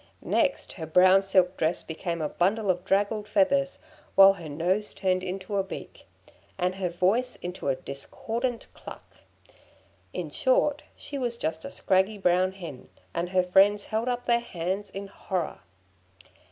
Next, her brown silk dress became a bundle of draggled feathers, while her nose turned into a beak, and her voice into a discordant cluck; in short, she was just a scraggy brown hen, and her friends held up their hands in horror.